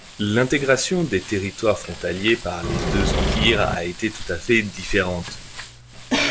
L’intégration des territoires frontaliers par les deux empires a été tout à fait différente.